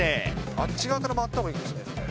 あっち側から回ったほうがいいかもしれませんね。